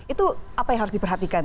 itu apa yang harus diperhatikan